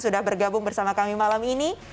sudah bergabung bersama kami malam ini